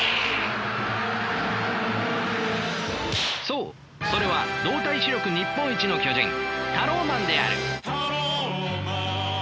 そうそれは動体視力日本一の巨人タローマンである。